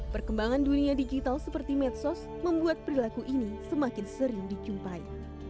perkembangan dunia digital seperti medsos membuat perilaku ini semakin sering dijumpai